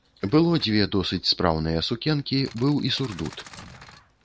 Было дзве досыць спраўныя сукенкі, быў і сурдут.